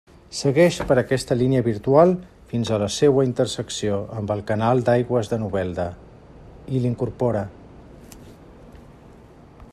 Segueix per aquesta línia virtual fins a la seua intersecció amb el canal d'aigües de Novelda, i l'incorpora.